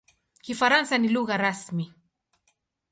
Kifaransa ni lugha rasmi.